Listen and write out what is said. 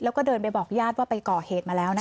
แล้วก็เดินไปบอกญาติว่าไปก่อเหตุมาแล้วนะคะ